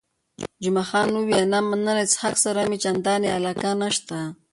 جمعه خان وویل، نه مننه، له څښاک سره مې چندانې علاقه نشته.